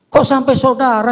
kok sampai saudara